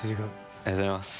ありがとうございます。